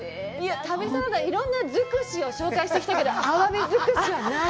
旅サラダ、いろんなづくしを紹介してきたけど、アワビづくしはない。